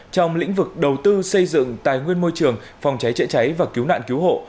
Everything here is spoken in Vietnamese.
trong lĩnh vực đầu tư xây dựng tài nguyên môi trường phòng cháy chữa cháy và cứu nạn cứu hộ